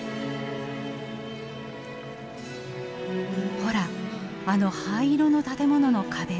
ほらあの灰色の建物の壁。